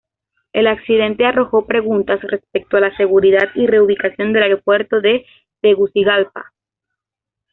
El accidente arrojó preguntas respecto a la seguridad y reubicación del aeropuerto de Tegucigalpa.